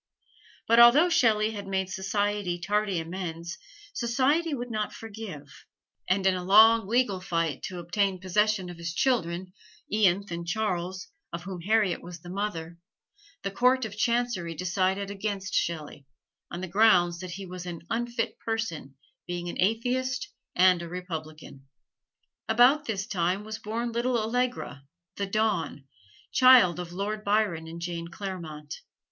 But although Shelley had made society tardy amends, society would not forgive; and in a long legal fight to obtain possession of his children, Ianthe and Charles, of whom Harriet was the mother, the Court of Chancery decided against Shelley, on the grounds that he was "an unfit person, being an atheist and a republican." About this time was born little Allegra, "the Dawn," child of Lord Byron and Jane Clairmont.